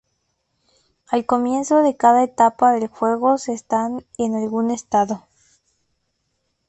Al comienzo de cada etapa del juego se está en algún estado.